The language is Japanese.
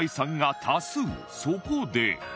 そこで